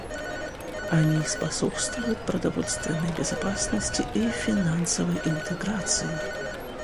Они способствуют продовольственной безопасности и финансовой интеграции.